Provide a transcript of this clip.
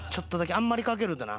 あんまりかけるとな。